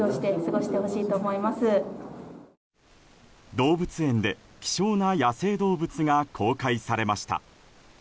動物園で、希少な野生動物が公開されました。